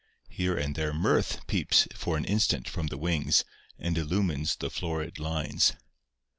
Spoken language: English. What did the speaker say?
Here and there Mirth peeps for an instant from the wings and illumines the florid lines.